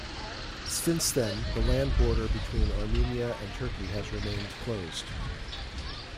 Since then the land border between Armenia and Turkey has remained closed.